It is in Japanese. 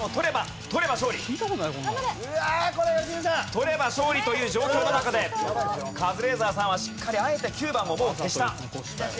取れば勝利という状況の中でカズレーザーさんはしっかりあえて９番をもう消した。